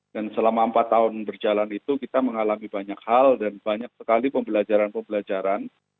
dan selama empat tahun berjalan itu kita mengalami banyak hal dan banyak sekali pembelajaran pembelajaran